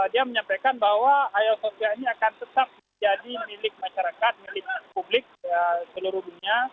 dia menyampaikan bahwa ayal sosial ini akan tetap jadi milik masyarakat milik publik seluruh dunia